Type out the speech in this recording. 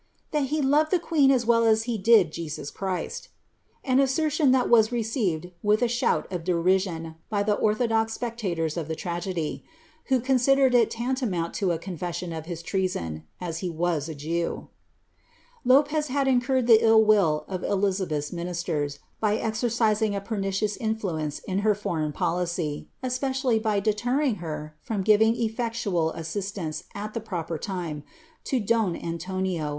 ■■ that he loved the queen as well as he did Jesus Christ."' an assertion thai was received wiih a shm;! of derision by the orthodox spectators of tlie tragedy, who considered •'■ laiilnmouiil to a confession of his treason, as he was a Jew.' Lo|.cz had incurred the ill will of F.lizabelh's ministers, bv exerci^lM a pernicious inliuence in her foreign policy, cspeciallv bv dcierri;)£ he from giving effectual asaislanee, at the proper time, lo don Aiilonn', the 'Camden; Lingaid^ MV.